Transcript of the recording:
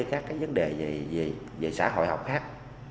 các cái vấn đề về xã hội học khác